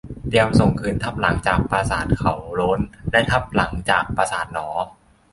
เตรียมส่งคืนทับหลังจากปราสาทเขาโล้นและทับหลังจากปราสาทหนอ